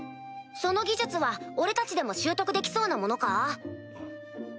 その技術は俺たちでも習得できそうなものか？